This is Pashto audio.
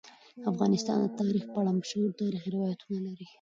افغانستان د تاریخ په اړه مشهور تاریخی روایتونه لري.